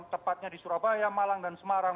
tepatnya di surabaya malang dan semarang